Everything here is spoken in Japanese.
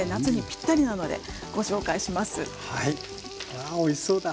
やおいしそうだ。